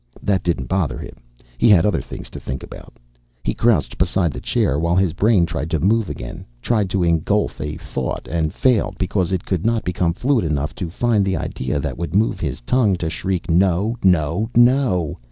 That didn't bother him. He had other things to think about. He crouched beside the chair while his brain tried to move again, tried to engulf a thought and failed because it could not become fluid enough to find the idea that would move his tongue to shriek, _No! No! No!